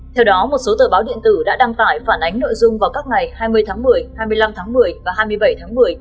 theo đó một số tờ báo điện tử đã đăng tải phản ánh nội dung vào các ngày hai mươi tháng một mươi hai mươi năm tháng một mươi và hai mươi bảy tháng một mươi